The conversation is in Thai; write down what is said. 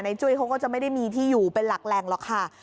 จุ้ยเขาก็จะไม่ได้มีที่อยู่เป็นหลักแหล่งหรอกค่ะ